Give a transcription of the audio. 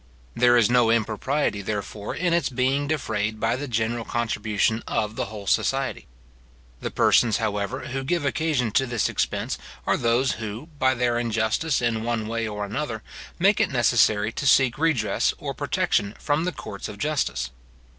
There is no impropriety, therefore, in its being defrayed by the general contribution of the whole society. The persons, however, who give occasion to this expense, are those who, by their injustice in one way or another, make it necessary to seek redress or protection from the courts of justice.